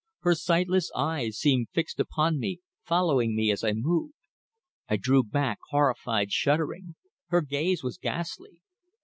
Her sightless eyes seemed fixed upon me, following me as I moved. I drew back horrified, shuddering. Her gaze was ghastly.